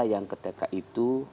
yang ketika itu